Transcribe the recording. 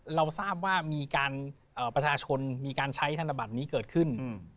เราทราบว่ามีการประชาชนมีการใช้ธนบัตรนี้เกิดขึ้น